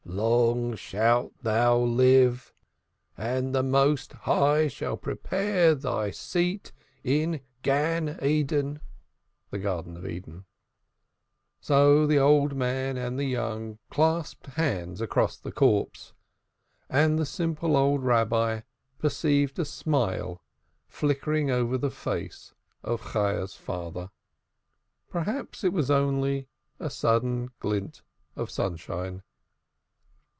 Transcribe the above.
Long shalt thou live, and the Most High shall prepare thy seat in Gan Iden." So the old man and the young clasped hands across the corpse, and the simple old Rabbi perceived a smile flickering over the face of Chayah's father. Perhaps it was only a sudden glint of sunshine.